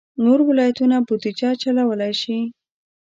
نور ولایتونه بودجه چلولای شي.